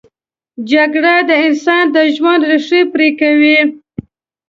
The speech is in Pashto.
جګړه د انسان د ژوند ریښې پرې کوي